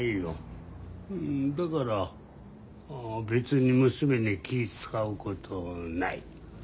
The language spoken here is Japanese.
だから別に娘に気ぃ遣うことない。